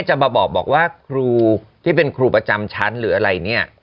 จะมาบอกว่าครูที่เป็นครูประจำชั้นหรืออะไรเนี่ย